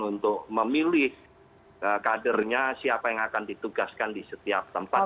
untuk memilih kadernya siapa yang akan ditugaskan di setiap tempat